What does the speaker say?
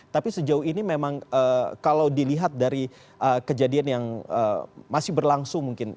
tapi sejauh ini memang kalau dilihat dari kejadian yang masih berlangsung mungkin